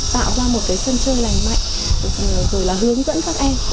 tạo ra một cái sân chơi lành mạnh rồi là hướng dẫn các em